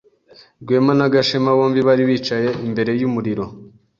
Rwema na Gashema bombi bari bicaye imbere yumuriro.